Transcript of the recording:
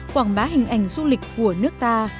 quảng bá hình ảnh du lịch của nước ta